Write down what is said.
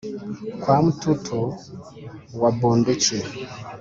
kwa mtutu wa bunduki